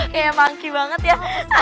kayak monkey banget ya